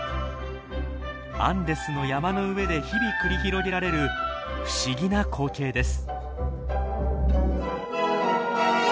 アンデスの山の上で日々繰り広げられる不思議な光景です。